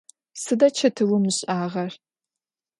Sıda çetıum ış'ağer?